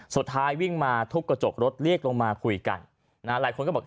สุดท้ายวิ่งมาทุบกระจกรถเรียกลงมาคุยกันนะหลายคนก็บอก